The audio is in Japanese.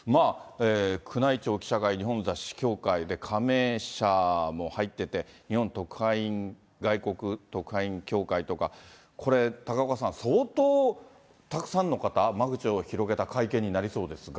宮内庁記者会、日本雑誌協会、加盟社も入ってて、日本特派員、外国特派員協会とか、これ、高岡さん、相当たくさんの方、間口を広げた会見になりそうですが。